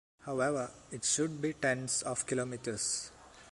However, it should be tens of kilometers.